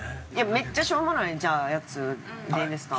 めっちゃしょうもないやつでいいですか？